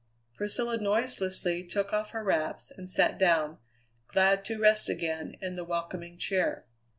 Priscilla noiselessly took off her wraps and sat down, glad to rest again in the welcoming chair.